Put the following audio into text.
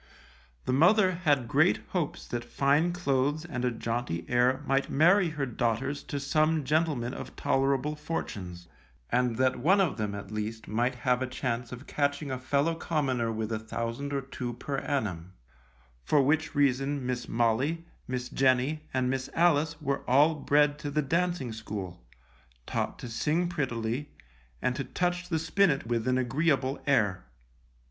The mother had great hopes that fine clothes and a jaunty air might marry her daughters to some gentlemen of tolerable fortunes, and that one of them, at least, might have a chance of catching a fellow commoner with a thousand or two per annum, for which reason Miss Molly, Miss Jenny, and Miss Alice were all bred to the dancing school, taught to sing prettily, and to touch the spinet with an agreeable air.